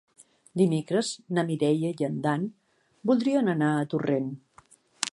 Dimecres na Mireia i en Dan voldrien anar a Torrent.